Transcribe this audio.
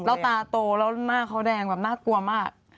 แล้วตาโตหน้าเขาแดงน่ากลัวมาก